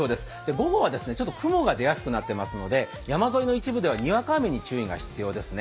午後はちょっと雲が出やすくなってますので山沿いの一部ではにわか雨に注意が必要ですね。